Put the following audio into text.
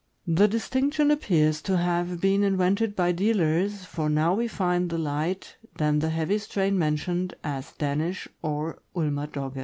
The distinction appears to have been invented by dealers, for now we find the light, then the heavy strain mentioned as Danish or Ulmer Dogge.